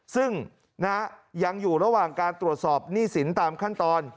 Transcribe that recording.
ซึ่งยังอยู่ระหว่างการตรวจสอบหนี้สินตามขั้นตอน